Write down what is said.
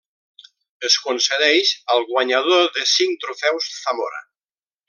Es concedeix al guanyador de cinc trofeus Zamora.